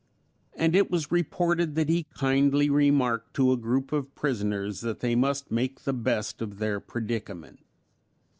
And it was reported that he kindly remarked to a group of prisoners that they must make the best of their predicament.